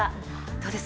どうです？